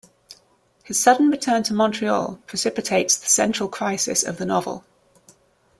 His sudden return to Montreal precipitates the central crisis of the novel.